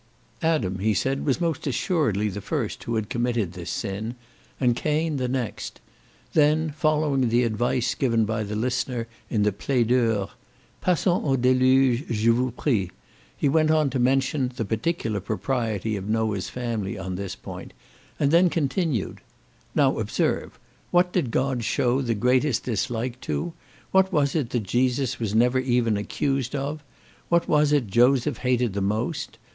Adam, he said, was most assuredly the first who had committed this sin, and Cain the next; then, following the advice given by the listener, in the Plaideurs, "Passons au deluge, je vous prie;" he went on to mention the particular propriety of Noah's family on this point; and then continued, "Now observe, what did God shew the greatest dislike to? What was it that Jesus was never even accused of? What was it Joseph hated the most?